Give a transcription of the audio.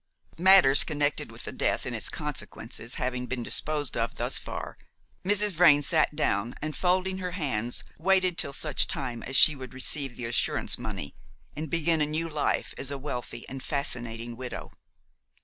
Matters connected with the death and its consequences having been disposed of thus far, Mrs. Vrain sat down, and, folding her hands, waited till such time as she would receive the assurance money, and begin a new life as a wealthy and fascinating widow.